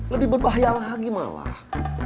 lebih berbahaya lagi malah